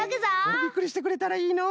びっくりしてくれたらいいのう。